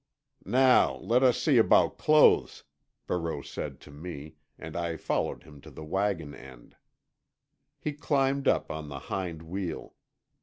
"Now, let us see about clothes," Barreau said to me, and I followed him to the wagon end. He climbed up on the hind wheel.